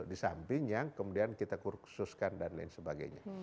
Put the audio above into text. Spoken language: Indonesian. di samping yang kemudian kita kursuskan dan lain sebagainya